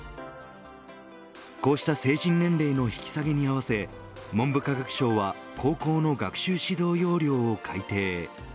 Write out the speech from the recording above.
こうした成人年齢の引き下げにあわせ文部科学省は、高校の学習指導要領を改訂。